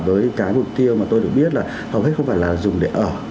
với cái mục tiêu mà tôi được biết là hầu hết không phải là dùng để ở